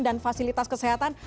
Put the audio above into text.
dan fasilitas kesehatan